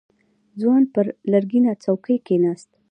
ځوان پر لرګينه څوکۍ کېناست.